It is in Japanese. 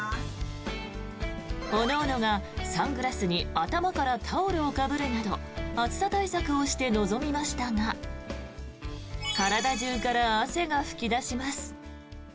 各々がサングラスに頭からタオルをかぶるなど暑さ対策をして臨みましたが体中から汗が噴き出します。